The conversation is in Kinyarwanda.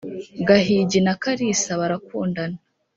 • gahigi na kalisa barakundana.